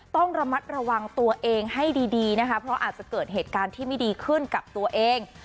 ต้องระมัดระวังตัวเองให้ดีนะคะเพราะอาจจะเกิดเหตุการณ์ที่ไม่ดีขึ้นกับตัวเอง